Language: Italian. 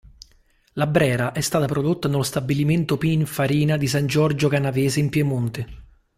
La Brera è stata prodotta nello stabilimento Pininfarina di San Giorgio Canavese in Piemonte.